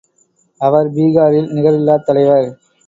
அவர் பீகாரில் நிகரில்லாத் தலைவர்.